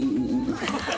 ハハハハ！